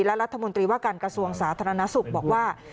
และรัฐมนตรีว่าการกระทรวงสาธารณสุขบอกว่า